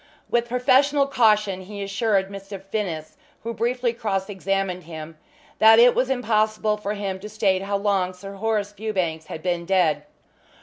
With professional caution he assured Mr. Finnis, who briefly cross examined him, that it was impossible for him to state how long Sir Horace Fewbanks had been dead.